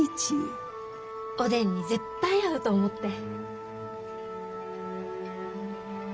おでんに絶対合うと思って。